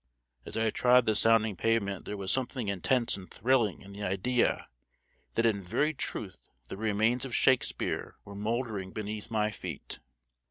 As I trod the sounding pavement there was something intense and thrilling in the idea that in very truth the remains of Shakespeare were mouldering beneath my feet.